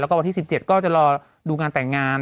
แล้วก็วันที่๑๗ก็จะรอดูงานแต่งงาน